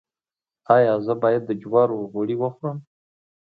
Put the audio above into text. ایا زه باید د جوارو غوړي وخورم؟